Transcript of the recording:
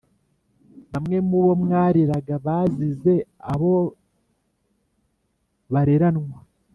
Bamwe mubo mwareraga Bazize abo bareranwa